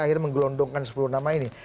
akhirnya menggelondongkan sepuluh nama ini